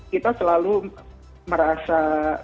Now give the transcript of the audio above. kita selalu merasa